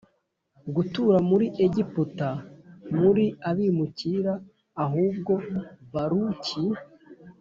gutura muri Egiputa muri abimukira Ahubwo Baruki